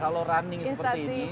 kalau running seperti ini